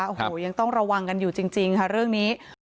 โอ้โหยังต้องระวังกันอยู่จริงค่ะเรื่องนี้